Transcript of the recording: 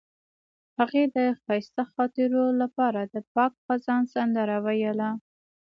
هغې د ښایسته خاطرو لپاره د پاک خزان سندره ویله.